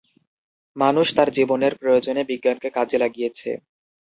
মানুষ তার জীবনের প্রয়োজনে বিজ্ঞানকে কাজে লাগিয়েছে।